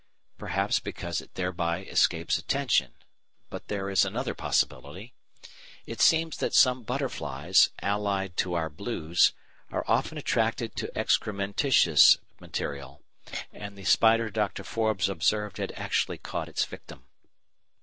Perhaps because it thereby escapes attention; but there is another possibility. It seems that some butterflies, allied to our Blues, are often attracted to excrementitious material, and the spider Dr. Forbes observed had actually caught its victim.